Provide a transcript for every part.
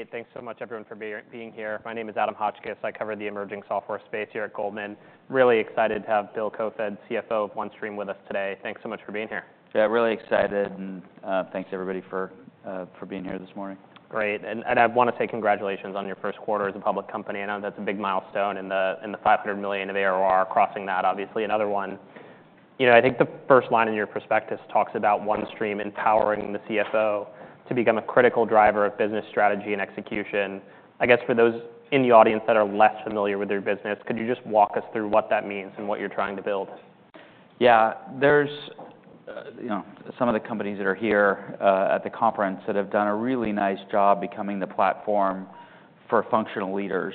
Great. Thanks so much, everyone, for being here. My name is Adam Hotchkiss. I cover the emerging software space here at Goldman. Really excited to have Bill Koefoed, CFO of OneStream, with us today. Thanks so much for being here. Yeah, really excited, and thanks, everybody, for being here this morning. Great, and I want to say congratulations on your first quarter as a public company. I know that's a big milestone, and the 500 million of ARR crossing that, obviously another one. You know, I think the first line in your prospectus talks about OneStream empowering the CFO to become a critical driver of business strategy and execution. I guess, for those in the audience that are less familiar with your business, could you just walk us through what that means and what you're trying to build? Yeah. There's, you know, some of the companies that are here at the conference that have done a really nice job becoming the platform for functional leaders.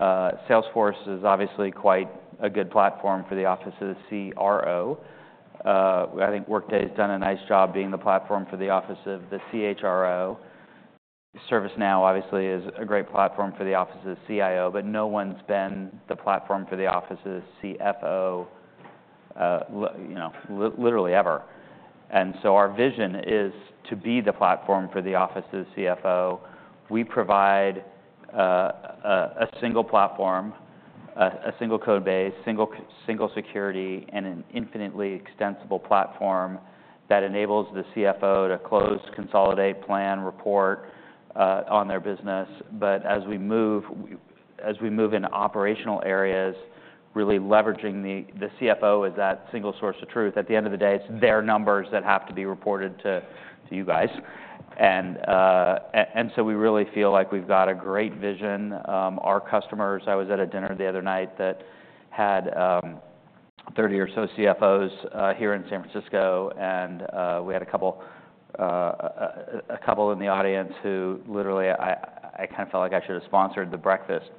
Salesforce is obviously quite a good platform for the office of the CRO. I think Workday has done a nice job being the platform for the office of the CHRO. ServiceNow, obviously, is a great platform for the office of the CIO, but no one's been the platform for the office of the CFO, you know, literally ever. And so our vision is to be the platform for the office of the CFO. We provide a single platform, a single code base, single security, and an infinitely extensible platform that enables the CFO to close, consolidate, plan, report on their business. But as we move into operational areas, really leveraging the CFO as that single source of truth, at the end of the day, it's their numbers that have to be reported to you guys. And so we really feel like we've got a great vision. Our customers—I was at a dinner the other night that had 30 or so CFOs here in San Francisco, and we had a couple in the audience who literally I kind of felt like I should have sponsored the breakfast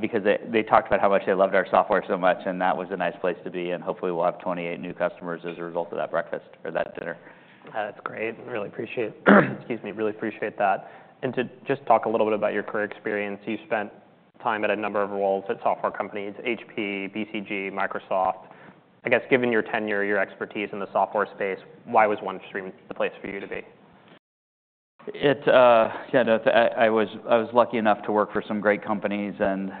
because they talked about how much they loved our software so much, and that was a nice place to be, and hopefully, we'll have 28 new customers as a result of that breakfast or that dinner. That's great. Really appreciate, excuse me, really appreciate that, and to just talk a little bit about your career experience, you spent time at a number of roles at software companies, HP, BCG, Microsoft. I guess, given your tenure, your expertise in the software space, why was OneStream the place for you to be? I was lucky enough to work for some great companies and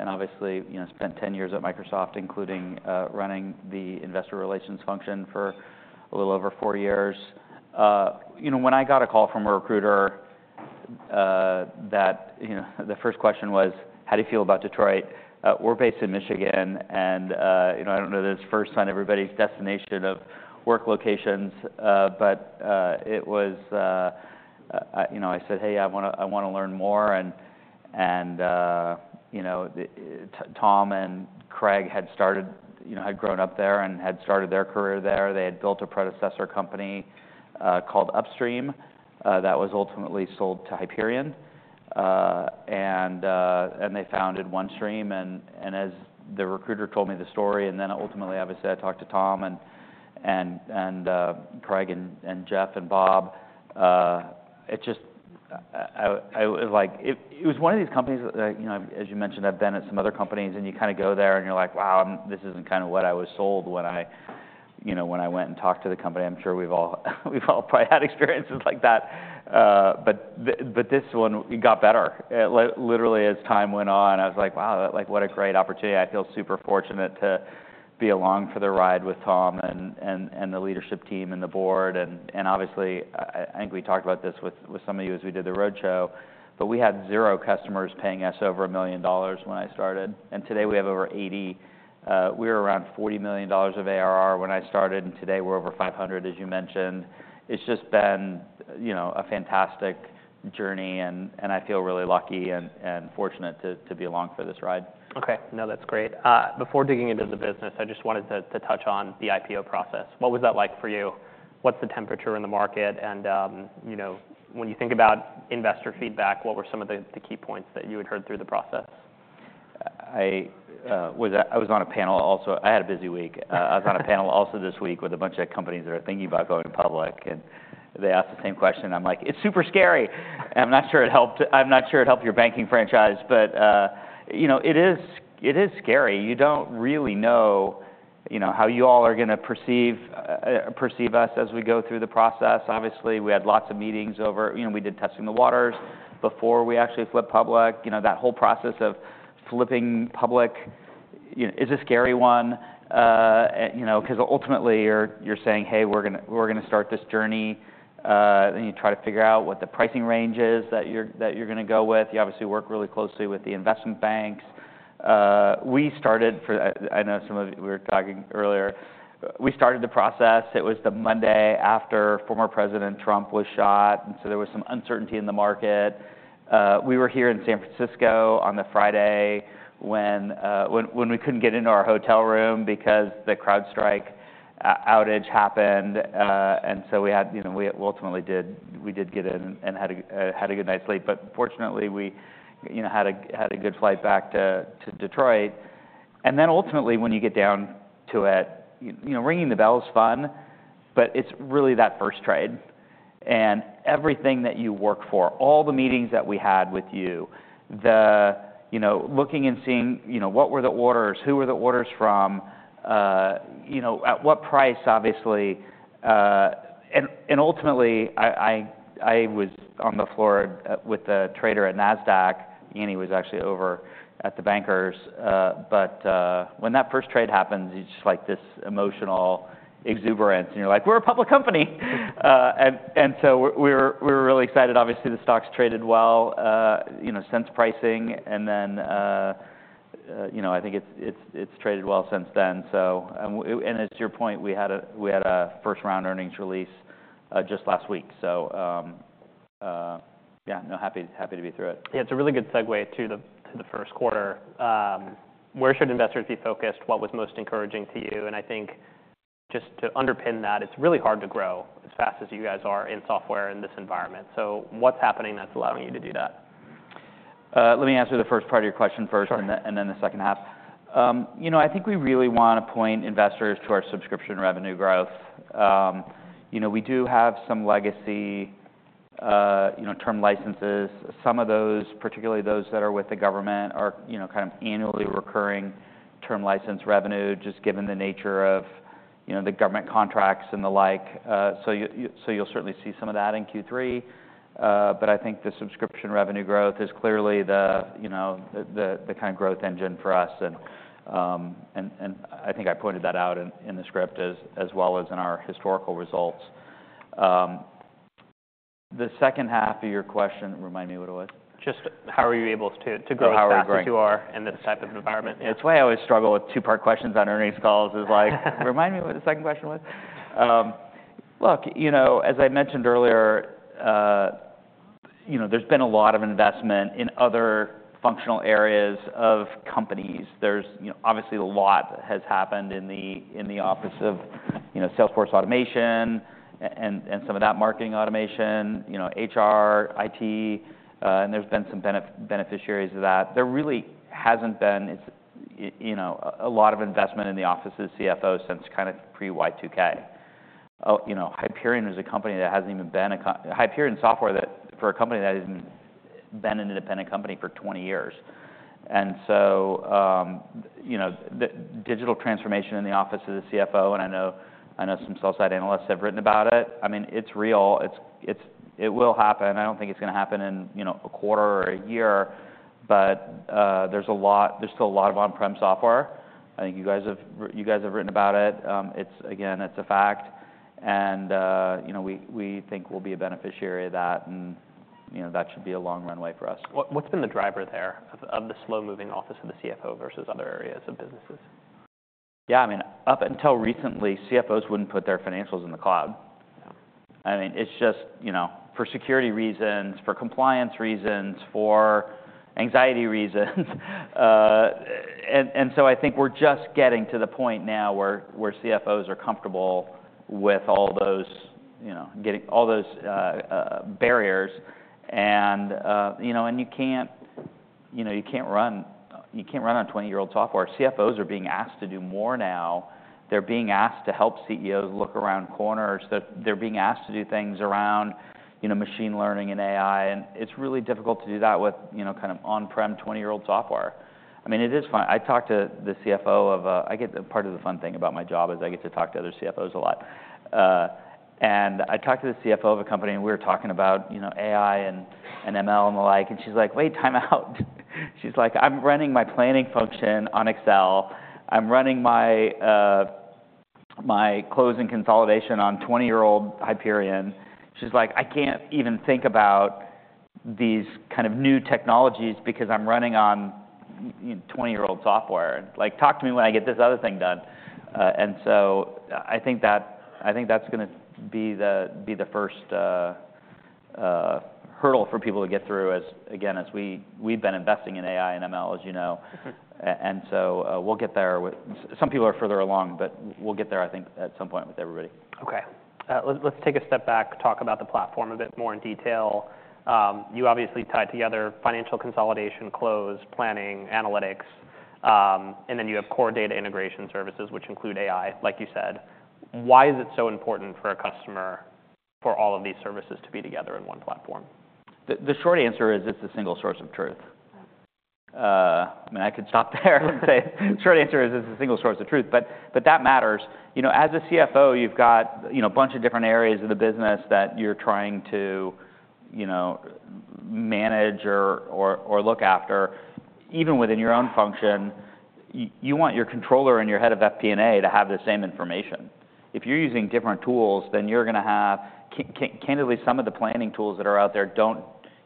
obviously, you know, spent 10 years at Microsoft, including running the investor relations function for a little over four years. You know, when I got a call from a recruiter that, you know, the first question was: "How do you feel about Detroit?" We're based in Michigan, and, you know, I don't know that it's first on everybody's destination of work locations, but it was, you know, I said, "Hey, I wanna learn more." Tom and Craig had started. You know, had grown up there and had started their career there. They had built a predecessor company called Upstream that was ultimately sold to Hyperion. They founded OneStream, and as the recruiter told me the story, and then ultimately, obviously, I talked to Tom and Craig and Jeff and Bob. It just, I was like, it was one of these companies that, you know, as you mentioned, I've been at some other companies, and you kinda go there, and you're like: "Wow, this isn't kind of what I was sold when I, you know, when I went and talked to the company." I'm sure we've all probably had experiences like that, but this one, it got better. Literally, as time went on, I was like: Wow, like, what a great opportunity. I feel super fortunate to be along for the ride with Tom and the leadership team and the board. Obviously, I think we talked about this with some of you as we did the roadshow, but we had zero customers paying us over $1 million when I started, and today we have over 80. We were around $40 million of ARR when I started, and today we're over $500 million, as you mentioned. It's just been, you know, a fantastic journey, and I feel really lucky and fortunate to be along for this ride. Okay. No, that's great. Before digging into the business, I just wanted to touch on the IPO process. What was that like for you? What's the temperature in the market, and, you know, when you think about investor feedback, what were some of the key points that you had heard through the process? I was on a panel also. I had a busy week. I was on a panel also this week with a bunch of companies that are thinking about going public, and they asked the same question. I'm like, "It's super scary!" I'm not sure it helped. I'm not sure it helped your banking franchise, but, you know, it is, it is scary. You don't really know, you know, how you all are gonna perceive, perceive us as we go through the process. Obviously, we had lots of meetings over. You know, we did testing the waters before we actually flipped public. You know, that whole process of flipping public, you know, is a scary one, and, you know, 'cause ultimately, you're saying: Hey, we're gonna start this journey. Then you try to figure out what the pricing range is that you're gonna go with. You obviously work really closely with the investment banks. I know some of you, we were talking earlier. We started the process, it was the Monday after former President Trump was shot, and so there was some uncertainty in the market. We were here in San Francisco on the Friday when we couldn't get into our hotel room because the CrowdStrike outage happened. And so we had, you know, we ultimately did get in and had a good night's sleep. But fortunately, we, you know, had a good flight back to Detroit. And then ultimately, when you get down to it, you know, ringing the bell is fun, but it's really that first trade. And everything that you worked for, all the meetings that we had with you, the, you know, looking and seeing, you know, what were the orders, who were the orders from? You know, at what price, obviously, and ultimately, I was on the floor with a trader at Nasdaq, and he was actually over at the bankers. But when that first trade happens, it's just like this emotional exuberance, and you're like, "We're a public company!" And so we're really excited. Obviously, the stock's traded well, you know, since pricing and then, you know, I think it's traded well since then. So, and as to your point, we had a first quarter earnings release just last week. Yeah, no, happy to be through it. Yeah, it's a really good segue to the first quarter. Where should investors be focused? What was most encouraging to you? And I think just to underpin that, it's really hard to grow as fast as you guys are in software in this environment. So what's happening that's allowing you to do that? Let me answer the first part of your question first- Sure. and then the second half. You know, I think we really want to point investors to our subscription revenue growth. You know, we do have some legacy term licenses. Some of those, particularly those that are with the government, are you know, kind of annually recurring term license revenue, just given the nature of you know, the government contracts and the like, so you'll certainly see some of that in Q3. But I think the subscription revenue growth is clearly the you know, the kind of growth engine for us. And I think I pointed that out in the script as well as in our historical results. The second half of your question, remind me what it was. Just how are you able to grow- Oh, how we're growing!... as fast as you are in this type of environment? It's why I always struggle with two-part questions on earnings calls is like, remind me what the second question was. Look, you know, as I mentioned earlier, you know, there's been a lot of investment in other functional areas of companies. There's, you know, obviously a lot has happened in the, in the office of, you know, sales force automation and, and some of that marketing automation, you know, HR, IT, and there's been some beneficiaries of that. There really hasn't been, it's, you know, a lot of investment in the office of the CFO since kind of pre-Y2K. Oh, you know, Hyperion is a company that hasn't even been a company, Hyperion Software, that for a company that hasn't been an independent company for twenty years. And so, you know, the digital transformation in the office of the CFO, and I know some sell-side analysts have written about it. I mean, it's real, it will happen. I don't think it's gonna happen in, you know, a quarter or a year, but there's still a lot of on-prem software. I think you guys have written about it. It's again a fact, and you know, we think we'll be a beneficiary of that, and you know, that should be a long runway for us. What's been the driver there of the slow-moving office of the CFO versus other areas of businesses? Yeah, I mean, up until recently, CFOs wouldn't put their financials in the cloud. I mean, it's just, you know, for security reasons, for compliance reasons, for anxiety reasons. And so I think we're just getting to the point now where CFOs are comfortable with all those barriers. And you know, you can't run on twenty-year-old software. CFOs are being asked to do more now. They're being asked to help CEOs look around corners. They're being asked to do things around, you know, machine learning and AI, and it's really difficult to do that with, you know, kind of on-prem twenty-year-old software. I mean, it is fun. I talked to the CFO of a... I get part of the fun thing about my job is I get to talk to other CFOs a lot, and I talked to the CFO of a company, and we were talking about, you know, AI and ML and the like, and she's like: "Wait, time out." She's like: "I'm running my planning function on Excel. I'm running my closing consolidation on twenty-year-old Hyperion." She's like: "I can't even think about these kind of new technologies because I'm running on twenty-year-old software. Like, talk to me when I get this other thing done." And so I think that's gonna be the first hurdle for people to get through as, again, as we've been investing in AI and ML, as you know. And so, we'll get there. Some people are further along, but we'll get there, I think, at some point with everybody. Okay. Let's take a step back, talk about the platform a bit more in detail. You obviously tied together financial consolidation, close, planning, analytics, and then you have core data integration services, which include AI, like you said. Why is it so important for a customer, for all of these services to be together in one platform? The short answer is, it's a single source of truth. I mean, I could stop there and say, short answer is, it's a single source of truth, but that matters. You know, as a CFO, you've got, you know, a bunch of different areas of the business that you're trying to, you know, manage or look after. Even within your own function, you want your controller and your head of FP&A to have the same information. If you're using different tools, then you're gonna have... Candidly, some of the planning tools that are out there,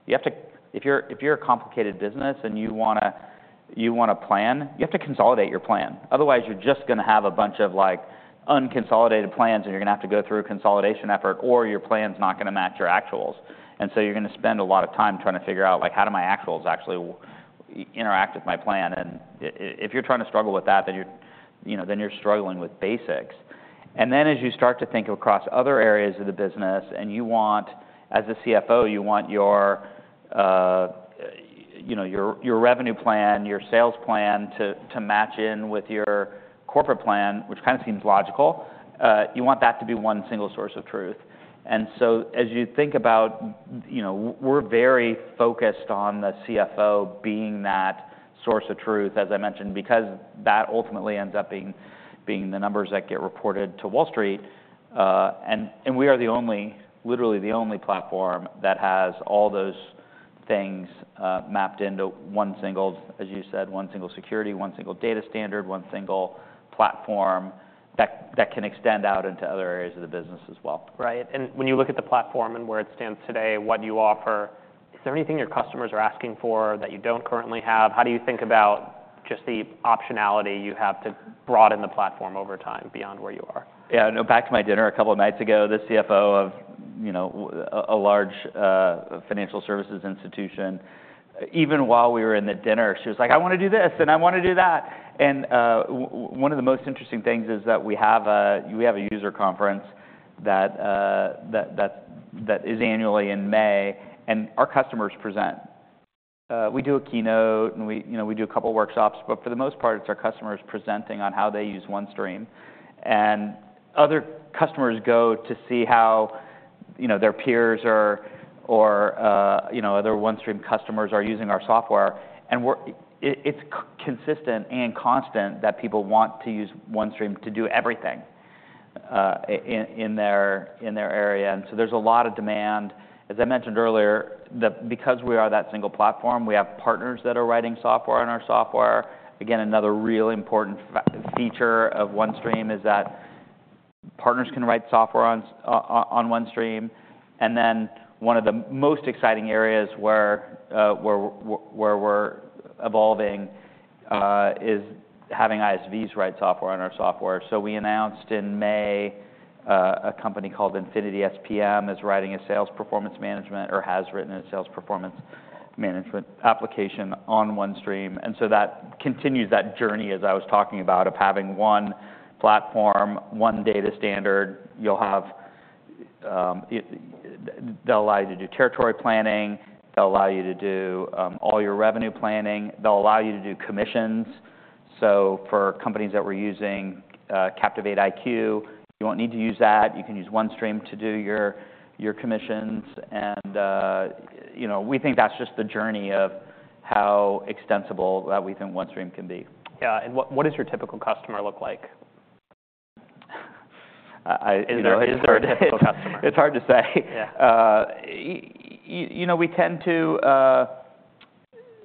you have to if you're a complicated business and you wanna plan, you have to consolidate your plan. Otherwise, you're just gonna have a bunch of, like, unconsolidated plans, and you're gonna have to go through a consolidation effort, or your plan's not gonna match your actuals. And so you're gonna spend a lot of time trying to figure out, like: How do my actuals actually interact with my plan? And if you're trying to struggle with that, then you're, you know, then you're struggling with basics. And then, as you start to think across other areas of the business, and you want, as a CFO, you want your, you know, your, your revenue plan, your sales plan to, to match in with your corporate plan, which kind of seems logical, you want that to be one single source of truth. And so, as you think about, you know... We're very focused on the CFO being that-... source of truth, as I mentioned, because that ultimately ends up being the numbers that get reported to Wall Street. And we are the only, literally the only platform that has all those things mapped into one single, as you said, one single security, one single data standard, one single platform that can extend out into other areas of the business as well. Right. And when you look at the platform and where it stands today, what you offer, is there anything your customers are asking for that you don't currently have? How do you think about just the optionality you have to broaden the platform over time beyond where you are? Yeah, no, back to my dinner a couple of nights ago, the CFO of, you know, a large, financial services institution, even while we were in the dinner, she was like: "I want to do this, and I want to do that!" And, one of the most interesting things is that we have a user conference that is annually in May, and our customers present. We do a keynote, and we, you know, we do a couple workshops, but for the most part, it's our customers presenting on how they use OneStream. And other customers go to see how, you know, their peers or other OneStream customers are using our software, and it's consistent and constant that people want to use OneStream to do everything in their area, and so there's a lot of demand. As I mentioned earlier, because we are that single platform, we have partners that are writing software in our software. Again, another really important feature of OneStream is that partners can write software on OneStream. And then one of the most exciting areas where we're evolving is having ISVs write software in our software. So we announced in May a company called InfinitySPM is writing a sales performance management or has written a sales performance management application on OneStream. And so that continues that journey, as I was talking about, of having one platform, one data standard. You'll have. They'll allow you to do territory planning, they'll allow you to do all your revenue planning, they'll allow you to do commissions. So for companies that were using CaptivateIQ, you won't need to use that. You can use OneStream to do your commissions, and you know, we think that's just the journey of how extensible that we think OneStream can be. Yeah, and what does your typical customer look like? You know, it's hard- Is there a typical customer? It's hard to say. Yeah. You know, we tend to.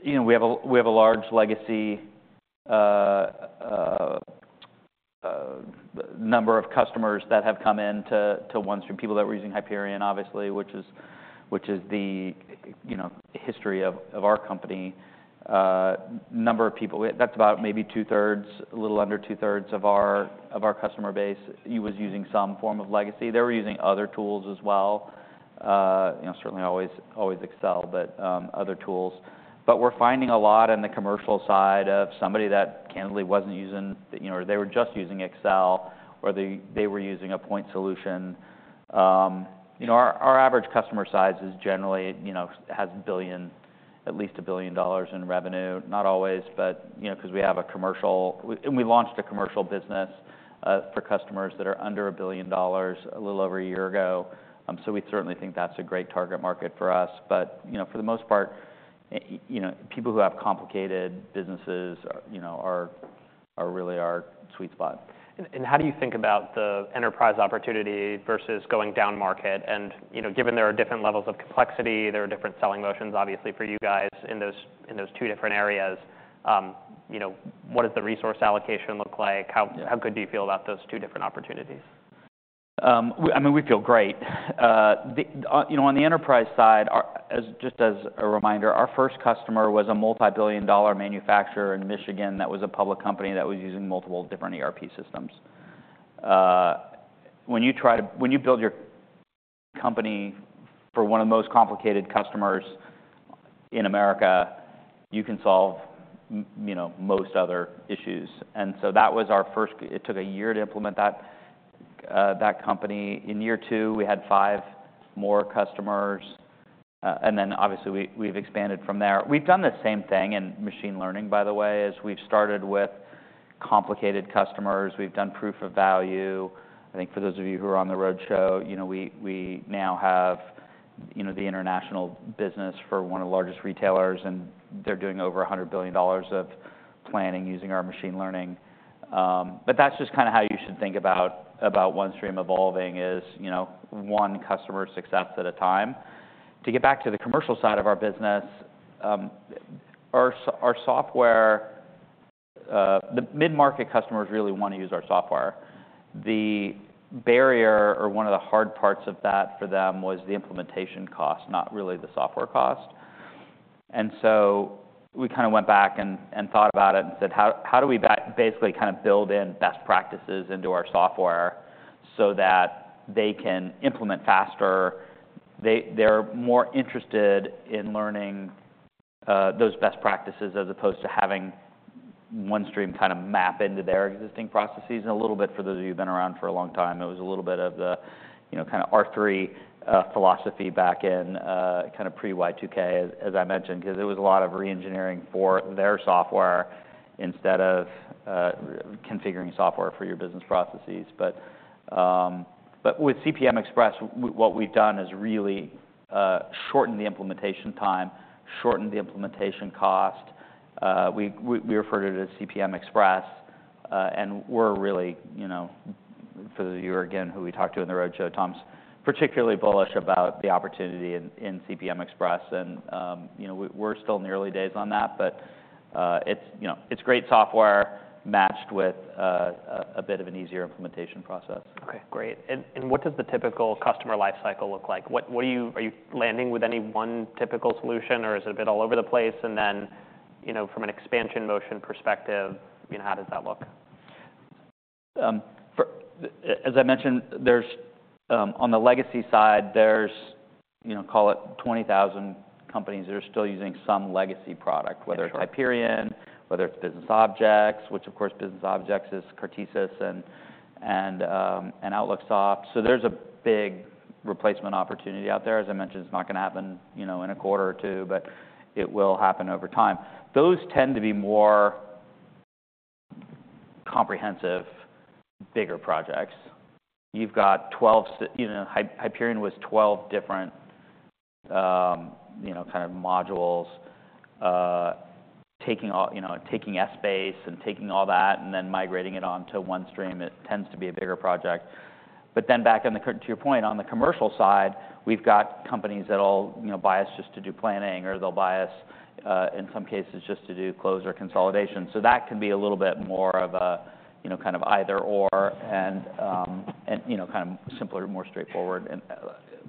You know, we have a, we have a large legacy number of customers that have come in to OneStream. People that were using Hyperion, obviously, which is, which is the, you know, history of, of our company. Number of people, that's about maybe two-thirds, a little under two-thirds of our customer base, he was using some form of legacy. They were using other tools as well. You know, certainly always Excel, but, other tools. But we're finding a lot on the commercial side of somebody that candidly wasn't using, you know, they were just using Excel, or they were using a point solution. You know, our average customer size is generally, you know, has a billion, at least $1 billion in revenue. Not always, but, you know, 'cause we have a commercial and we launched a commercial business for customers that are under $1 billion, a little over a year ago. So we certainly think that's a great target market for us. But, you know, for the most part, you know, people who have complicated businesses, you know, are really our sweet spot. How do you think about the enterprise opportunity versus going down market? You know, given there are different levels of complexity, there are different selling motions, obviously, for you guys in those two different areas. What does the resource allocation look like? Yeah. How good do you feel about those two different opportunities? I mean, we feel great. You know, on the enterprise side, our just as a reminder, our first customer was a multibillion-dollar manufacturer in Michigan, that was a public company that was using multiple different ERP systems. When you build your company for one of the most complicated customers in America, you can solve, you know, most other issues. And so that was our first. It took a year to implement that company. In year two, we had five more customers, and then obviously, we've expanded from there. We've done the same thing in machine learning, by the way, is we've started with complicated customers. We've done proof of value. I think for those of you who are on the roadshow, you know, we now have, you know, the international business for one of the largest retailers, and they're doing over $100 billion of planning using our machine learning, but that's just kinda how you should think about OneStream evolving, is, you know, one customer success at a time. To get back to the commercial side of our business, our software, the mid-market customers really want to use our software. The barrier or one of the hard parts of that for them was the implementation cost, not really the software cost. And so we kinda went back and thought about it and said, "How do we basically kind of build in best practices into our software so that they can implement faster?" They're more interested in learning those best practices, as opposed to having OneStream kind of map into their existing processes. And a little bit for those of you who've been around for a long time, it was a little bit of the, you know, kinda R/3 philosophy back in kind of pre-Y2K, as I mentioned, 'cause it was a lot of reengineering for their software instead of configuring software for your business processes. But with CPM Express, what we've done is really shortened the implementation time, shortened the implementation cost. We refer to it as CPM Express, and we're really, you know, for the viewer, again, who we talked to in the roadshow. Tom's particularly bullish about the opportunity in CPM Express. You know, we're still in the early days on that, but it's, you know, it's great software matched with a bit of an easier implementation process. Okay, great. And what does the typical customer life cycle look like? What are you landing with any one typical solution, or is it a bit all over the place? And then, you know, from an expansion motion perspective, you know, how does that look? As I mentioned, on the legacy side, there's, you know, call it twenty thousand companies that are still using some legacy product. Sure. whether it's Hyperion, whether it's BusinessObjects, which of course, BusinessObjects is Cartesis and, and OutlookSoft. So there's a big replacement opportunity out there. As I mentioned, it's not gonna happen, you know, in a quarter or two, but it will happen over time. Those tend to be more comprehensive, bigger projects. You've got twelve. You know, Hyperion was twelve different, you know, kind of modules, taking all that, you know, taking Essbase and taking all that, and then migrating it on to OneStream, it tends to be a bigger project. But then back in the-- to your point, on the commercial side, we've got companies that'll, you know, buy us just to do planning, or they'll buy us, in some cases, just to do close or consolidation. So that can be a little bit more of a, you know, kind of either/or, and, you know, kind of simpler, more straightforward, and,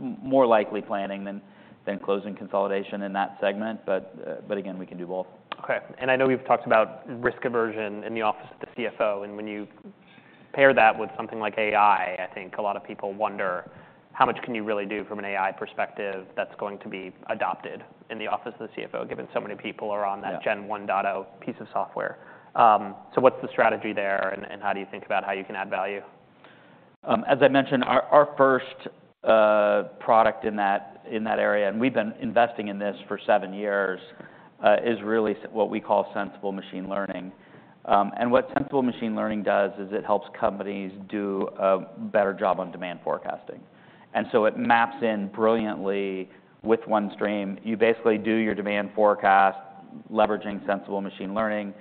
more likely planning than closing consolidation in that segment. But again, we can do both. Okay. And I know we've talked about risk aversion in the office of the CFO, and when you pair that with something like AI, I think a lot of people wonder: how much can you really do from an AI perspective that's going to be adopted in the office of the CFO, given so many people are on that- Yeah - Gen-one data piece of software? So what's the strategy there, and how do you think about how you can add value? As I mentioned, our first product in that area, and we've been investing in this for seven years, is really what we call Sensible Machine Learning. And what Sensible Machine Learning does is it helps companies do a better job on demand forecasting. And so it maps in brilliantly with OneStream. You basically do your demand forecast, leveraging Sensible Machine Learning.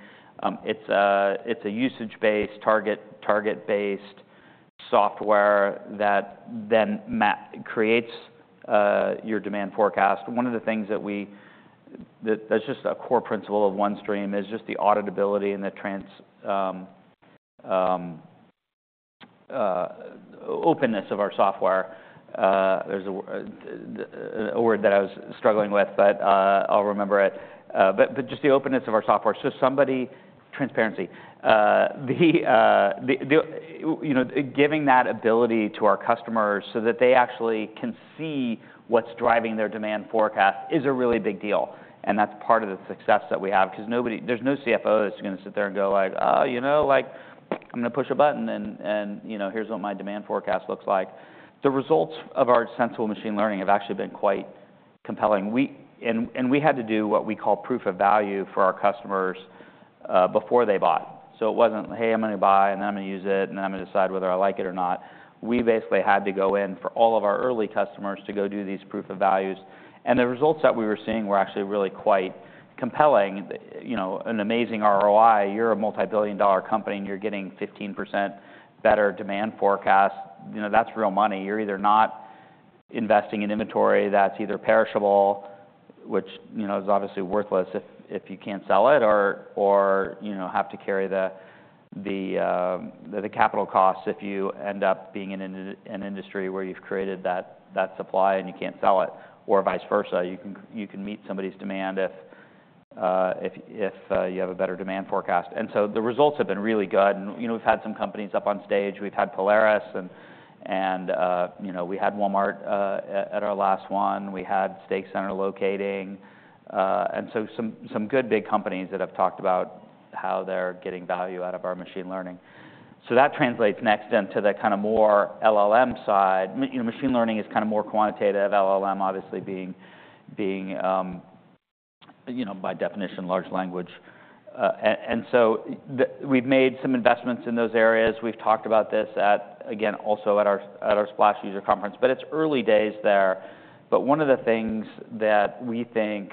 It's a usage-based, target-based software that then creates your demand forecast. One of the things that that's just a core principle of OneStream is just the auditability and the transparency of our software. There's a word that I was struggling with, but I'll remember it. But just the openness of our software. So somebody... Transparency. The you know, giving that ability to our customers so that they actually can see what's driving their demand forecast is a really big deal, and that's part of the success that we have, 'cause nobody-- there's no CFO that's gonna sit there and go like, "you know, like, I'm gonna push a button and you know, here's what my demand forecast looks like." The results of our Sensible Machine Learning have actually been quite compelling. We had to do what we call Proof of Value for our customers before they bought. So it wasn't, "Hey, I'm gonna buy, and then I'm gonna use it, and then I'm gonna decide whether I like it or not." We basically had to go in for all of our early customers to go do these proof of values, and the results that we were seeing were actually really quite compelling. You know, an amazing ROI. You're a multi-billion dollar company, and you're getting 15% better demand forecast. You know, that's real money. You're either not investing in inventory that's either perishable, which, you know, is obviously worthless if you can't sell it or, you know, have to carry the capital costs if you end up being in an industry where you've created that supply and you can't sell it, or vice versa. You can meet somebody's demand if you have a better demand forecast. And so the results have been really good. And you know, we've had some companies up on stage. We've had Polaris and you know, we had Walmart at our last one. We had Stake Center Locating. And so some good big companies that have talked about how they're getting value out of our machine learning. So that translates next into the kind of more LLM side. You know, machine learning is kind of more quantitative, LLM obviously being you know, by definition, large language. And so we've made some investments in those areas. We've talked about this at our Splash User Conference, but it's early days there. But one of the things that we think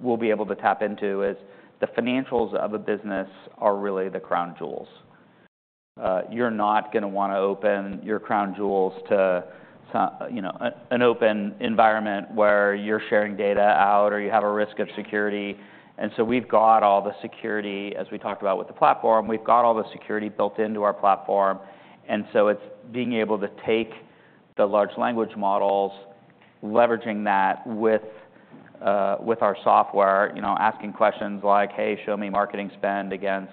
we'll be able to tap into is the financials of a business are really the crown jewels. You're not gonna wanna open your crown jewels to you know, an open environment where you're sharing data out or you have a risk of security. And so we've got all the security, as we talked about with the platform, we've got all the security built into our platform, and so it's being able to take the large language models, leveraging that with with our software. You know, asking questions like, "Hey, show me marketing spend against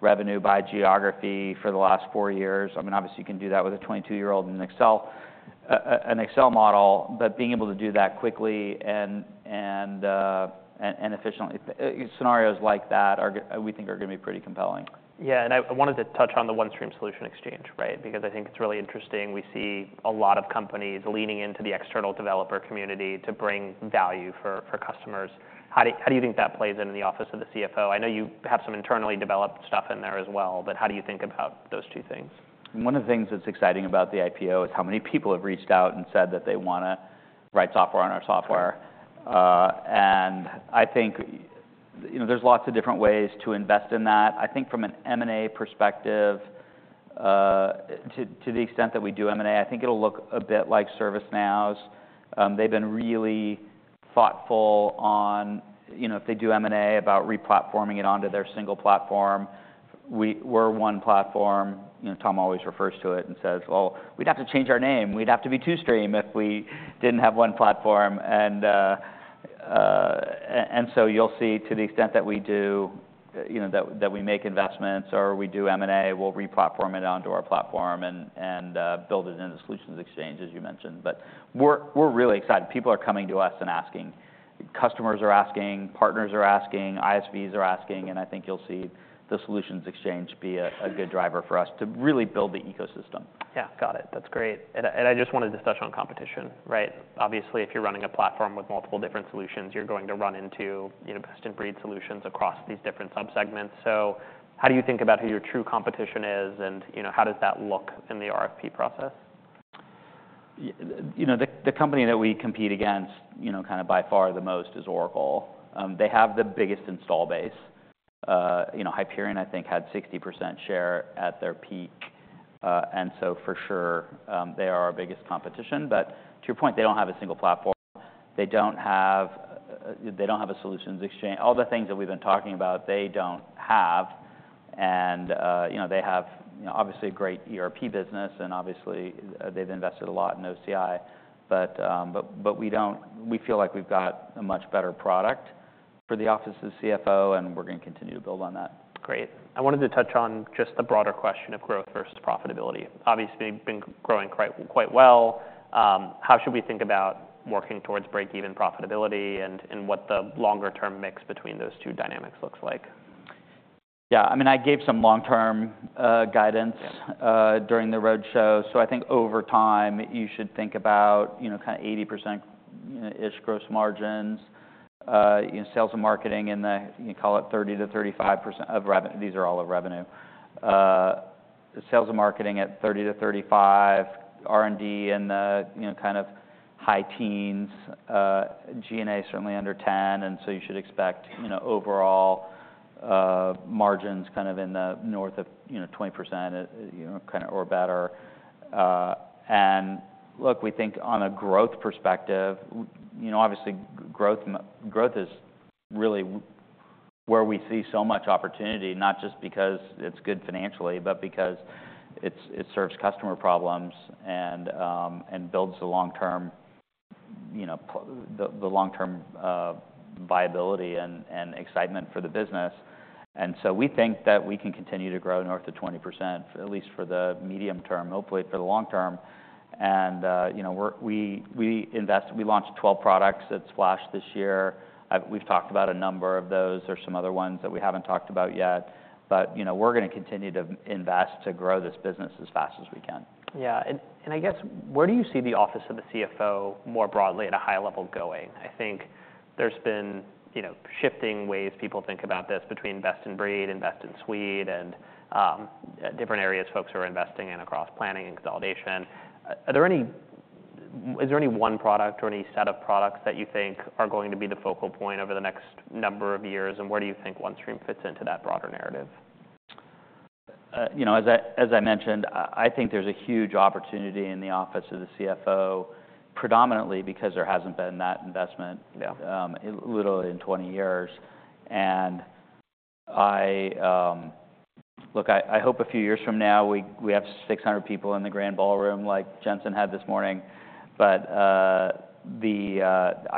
revenue by geography for the last four years." I mean, obviously, you can do that with a twenty-two-year-old in an Excel model, but being able to do that quickly and efficiently. Scenarios like that we think are going to be pretty compelling. Yeah, and I wanted to touch on the OneStream Solution Exchange, right? Because I think it's really interesting. We see a lot of companies leaning into the external developer community to bring value for customers. How do you think that plays into the office of the CFO? I know you have some internally developed stuff in there as well, but how do you think about those two things? One of the things that's exciting about the IPO is how many people have reached out and said that they wanna write software on our software. And I think, you know, there's lots of different ways to invest in that. I think from an M&A perspective, to the extent that we do M&A, I think it'll look a bit like ServiceNow's. They've been really thoughtful on, you know, if they do M&A, about re-platforming it onto their single platform. We're one platform. You know, Tom always refers to it and says, "Well, we'd have to change our name. We'd have to be TwoStream if we didn't have one platform." And so you'll see to the extent that we do, you know, that we make investments or we do M&A, we'll re-platform it onto our platform and build it in the Solution Exchange, as you mentioned. But we're really excited. People are coming to us and asking. Customers are asking, partners are asking, ISVs are asking, and I think you'll see the Solution Exchange be a good driver for us to really build the ecosystem. Yeah, got it. That's great. And I just wanted to touch on competition, right? Obviously, if you're running a platform with multiple different solutions, you're going to run into, you know, best-in-breed solutions across these different subsegments. So how do you think about who your true competition is, and, you know, how does that look in the RFP process? You know, the company that we compete against, you know, kind of by far the most is Oracle. They have the biggest installed base. You know, Hyperion, I think, had 60% share at their peak, and so for sure, they are our biggest competition. But to your point, they don't have a single platform. They don't have, they don't have a Solution Exchange. All the things that we've been talking about, they don't have. And, you know, they have, you know, obviously a great ERP business, and obviously, they've invested a lot in OCI, but we don't-- we feel like we've got a much better product for the office of the CFO, and we're going to continue to build on that. Great. I wanted to touch on just the broader question of growth versus profitability. Obviously, you've been growing quite well. How should we think about working towards break-even profitability and what the longer term mix between those two dynamics looks like? Yeah. I mean, I gave some long-term guidance- Yeah... during the roadshow. So I think over time, you should think about, you know, kind of 80%, you know, ish gross margins, in sales and marketing, in the, you call it 30-35% of revenue. These are all of revenue. Sales and marketing at 30-35%, R&D in the, you know, kind of high teens, G&A, certainly under 10, and so you should expect, you know, overall, margins kind of in the north of, you know, 20%, you know, kind of or better. Look, we think on a growth perspective, you know, obviously, growth is really where we see so much opportunity, not just because it's good financially, but because it serves customer problems and builds the long-term, you know, the long-term viability and excitement for the business. So we think that we can continue to grow north of 20%, at least for the medium term, hopefully for the long-term. You know, we launched 12 products at Splash this year. We've talked about a number of those. There are some other ones that we haven't talked about yet, but you know, we're gonna continue to invest to grow this business as fast as we can. Yeah. And I guess, where do you see the office of the CFO more broadly at a high level going? I think there's been, you know, shifting ways people think about this between best in breed, invest in suite, and different areas folks are investing in across planning and consolidation. Are there any- is there any one product or any set of products that you think are going to be the focal point over the next number of years? And where do you think OneStream fits into that broader narrative? You know, as I mentioned, I think there's a huge opportunity in the office of the CFO, predominantly because there hasn't been that investment- Yeah... literally in 20 years, and I look, I hope a few years from now, we have 600 people in the grand ballroom like Jensen had this morning, but I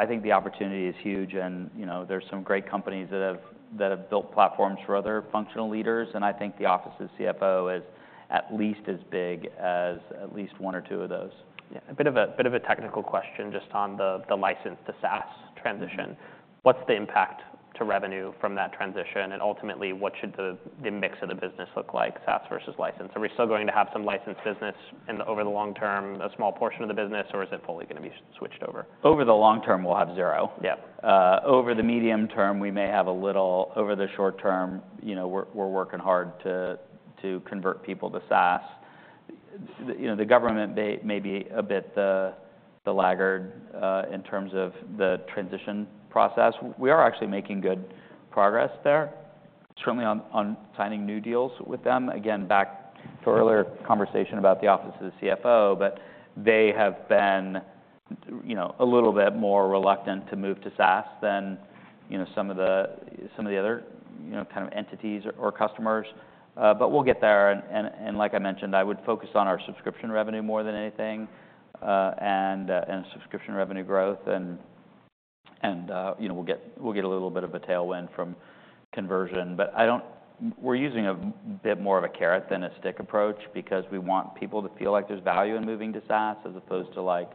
think the opportunity is huge and, you know, there's some great companies that have built platforms for other functional leaders, and I think the office of CFO is at least as big as at least one or two of those. Yeah. A bit of a technical question, just on the license to SaaS transition. What's the impact to revenue from that transition? And ultimately, what should the mix of the business look like, SaaS versus license? Are we still going to have some licensed business in the, over the long-term, a small portion of the business, or is it fully gonna be switched over? Over the long-term, we'll have zero. Yeah. Over the medium term, we may have a little. Over the short-term, you know, we're working hard to convert people to SaaS. You know, the government, they may be a bit of a laggard in terms of the transition process. We are actually making good progress there, certainly on signing new deals with them. Again, back to our earlier conversation about the office of the CFO, but they have been, you know, a little bit more reluctant to move to SaaS than, you know, some of the other, you know, kind of entities or customers. But we'll get there. And like I mentioned, I would focus on our subscription revenue more than anything, and subscription revenue growth and, you know, we'll get a little bit of a tailwind from conversion. But I don't. We're using a bit more of a carrot than a stick approach, because we want people to feel like there's value in moving to SaaS, as opposed to, like,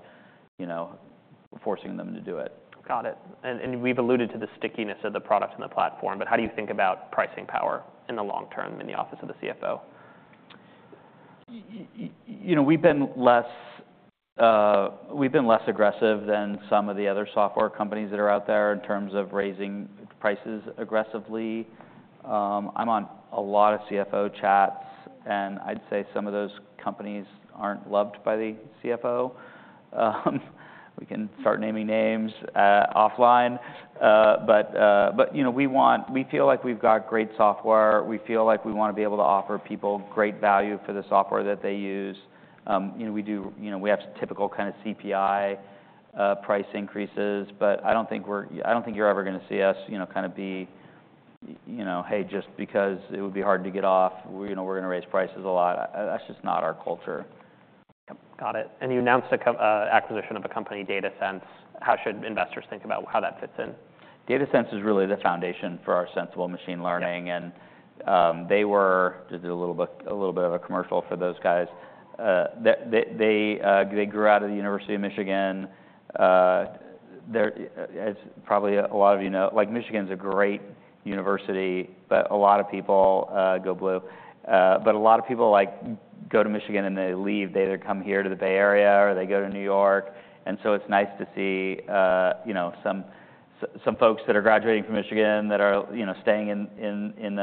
you know, forcing them to do it. Got it. And, we've alluded to the stickiness of the product and the platform, but how do you think about pricing power in the long-term in the office of the CFO? You know, we've been less aggressive than some of the other software companies that are out there in terms of raising prices aggressively. I'm on a lot of CFO chats, and I'd say some of those companies aren't loved by the CFO. We can start naming names, offline. But, you know, we feel like we've got great software. We feel like we wanna be able to offer people great value for the software that they use. You know, we have typical kind of CPI price increases, but I don't think you're ever gonna see us, you know, kind of be, you know, "Hey, just because it would be hard to get off, we're, you know, we're gonna raise prices a lot." That's just not our culture. Yep. Got it. And you announced an acquisition of a company, DataSense. How should investors think about how that fits in? DataSense is really the foundation for our Sensible Machine Learning- Yeah. And just do a little bit of a commercial for those guys. They grew out of the University of Michigan. They're, as probably a lot of you know, like, Michigan is a great university, but a lot of people go blue. But a lot of people, like, go to Michigan, and they leave. They either come here to the Bay Area, or they go to New York, and so it's nice to see, you know, some folks that are graduating from Michigan that are, you know, staying in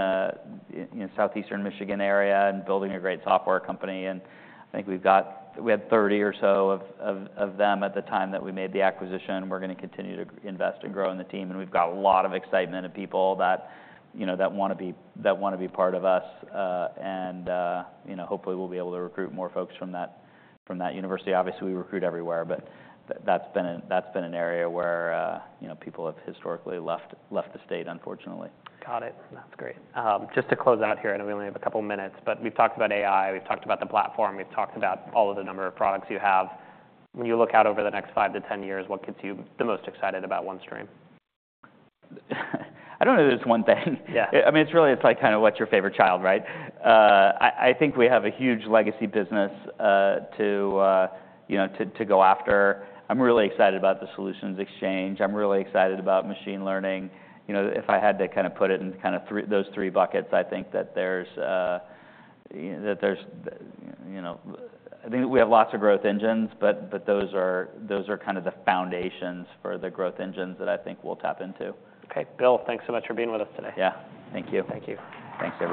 Southeastern Michigan area and building a great software company. And I think we had thirty or so of them at the time that we made the acquisition. We're gonna continue to invest and grow in the team, and we've got a lot of excitement and people that, you know, wanna be part of us. You know, hopefully, we'll be able to recruit more folks from that university. Obviously, we recruit everywhere, but that's been an area where, you know, people have historically left the state, unfortunately. Got it. That's great. Just to close out here, I know we only have a couple of minutes, but we've talked about AI, we've talked about the platform, we've talked about all of the number of products you have. When you look out over the next five to ten years, what gets you the most excited about OneStream? I don't know if it's one thing. Yeah. I mean, it's really like kind of what's your favorite child, right? I think we have a huge legacy business, you know, to go after. I'm really excited about the Solution Exchange. I'm really excited about machine learning. You know, if I had to kind of put it in kind of three, those three buckets, I think that there's, you know, that there's, you know. I think we have lots of growth engines, but those are kind of the foundations for the growth engines that I think we'll tap into. Okay. Bill, thanks so much for being with us today. Yeah. Thank you. Thank you. Thanks, guys.